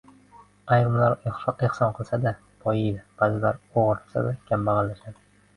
Ayrimlar ehson qilsa-da boyiydi, baʼzilar oʻgʻirlasa-da kambagʻallashadi.